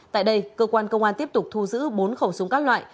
tại đây cơ quan công an tiếp tục thu giữ bốn khẩu súng các loại